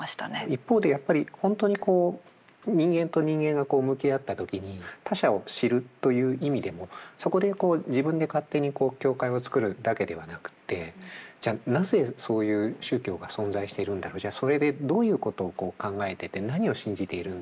一方でやっぱり本当に人間と人間が向き合った時に他者を知るという意味でもそこで自分で勝手に境界を作るだけではなくってじゃあなぜそういう宗教が存在しているんだろうじゃあそれでどういうことを考えてて何を信じているんだろうとか。